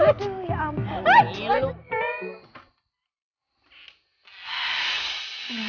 aduh ya ampun